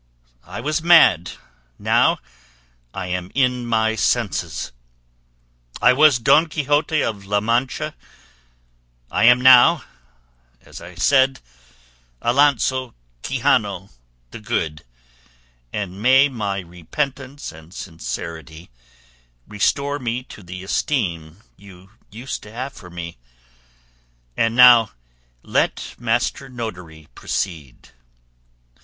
I was mad, now I am in my senses; I was Don Quixote of La Mancha, I am now, as I said, Alonso Quixano the Good; and may my repentance and sincerity restore me to the esteem you used to have for me; and now let Master Notary proceed.